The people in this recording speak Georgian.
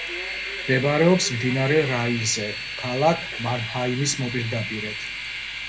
მდებარეობს მდინარე რაინზე, ქალაქ მანჰაიმის მოპირდაპირედ.